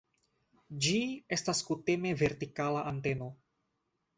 Ĝi estas kutime vertikala anteno.